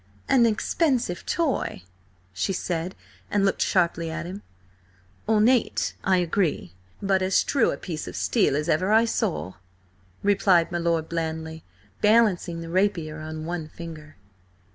"An expensive toy!" she said, and looked sharply at him. "Ornate, I agree, but as true a piece of steel as ever I saw," replied my lord blandly, balancing the rapier on one finger.